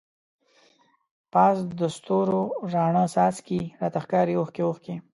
پاس دستورو راڼه څاڅکی، راته ښکاری اوښکی اوښکی